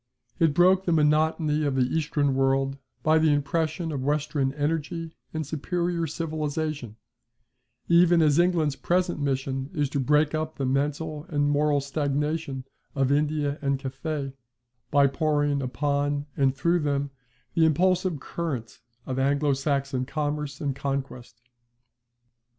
It broke the monotony, of the Eastern world by the impression of Western energy and superior civilization; even as England's present mission is to break up the mental and moral stagnation of India and Cathay, by pouring upon and through them the impulsive current of Anglo Saxon commerce and conquest.